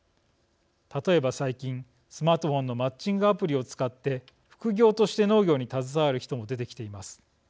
例えば最近、スマートフォンのマッチングアプリを使って副業として農業に携わる人も出てきています。